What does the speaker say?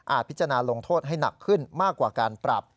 พิจารณาลงโทษให้หนักขึ้นมากกว่าการปรับ